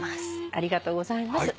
ありがとうございます。